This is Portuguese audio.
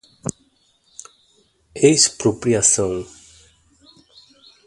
expropriação